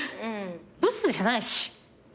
ブスじゃないし。